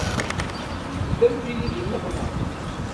Teddamt-iyi di nneqma.